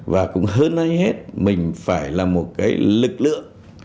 và cũng hơn ai hết mình phải là một cái lực lượng